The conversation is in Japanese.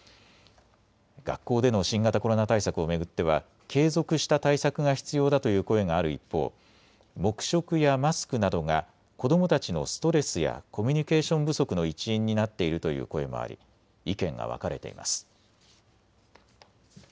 学校での新型コロナ対策を巡っては継続した対策が必要だという声がある一方、黙食やマスクなどが子どもたちのストレスやコミュニケーション不足の一因になっているという声もあり意見が分かれています。